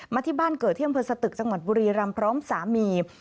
มาที่บ้านเก๋อเที่ยงเผลอสตึกจังหวัดปุรียรรมพร้อมสามี